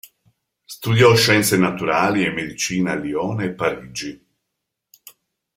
Studiò scienze naturali e medicina a Lione e Parigi.